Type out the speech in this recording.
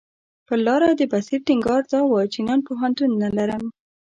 پر لاره د بصیر ټینګار دا و چې نن پوهنتون نه لرم.